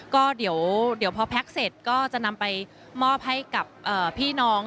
ก็เดี๋ยวพอแพ็คเสร็จก็จะนำไปมอบให้กับพี่น้อง